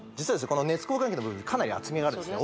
この熱交換器の部分かなり厚みがあるんですね